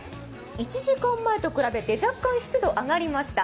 １時間前と比べて若干湿度上がりました。